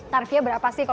tarifnya berapa sih